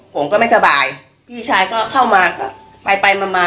ผมก็ไม่สบายพี่ชายก็เข้ามาก็ไปไปมามา